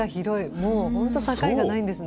もう本当境がないんですね。